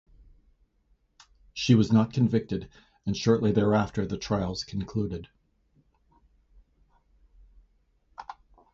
She was not convicted, and shortly thereafter the trials concluded.